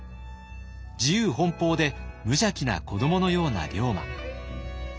自由奔放で無邪気な子どものような龍馬。